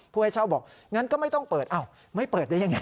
ให้เช่าบอกงั้นก็ไม่ต้องเปิดอ้าวไม่เปิดได้ยังไง